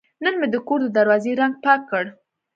نن مې د کور د دروازې رنګ پاک کړ.